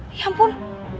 hah ya ampun